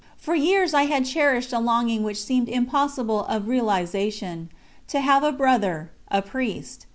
For years I had cherished a longing which seemed impossible of realisation to have a brother a Priest.